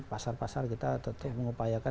pasar pasar kita tetap mengupayakan